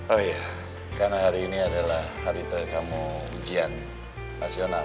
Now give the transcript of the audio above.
oh iya karena hari ini adalah hari terakhir kamu ujian nasional